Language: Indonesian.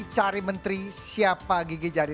cari menteri siapa gigi jari